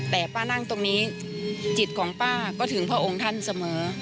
แต่ป้านั่งตรงนี้จิตของป้าก็ถึงพระองค์ท่านเสมอ